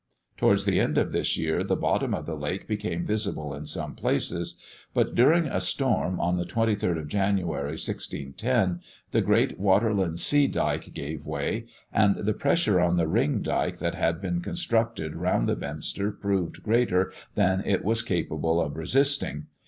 Towards the end of this year, the bottom of the lake became visible in some places: but during a storm on the 23d of January 1610, the great waterland sea dyke gave way, and the pressure on the ring dyke that had been constructed round the Beemster proved greater than it was capable of resisting.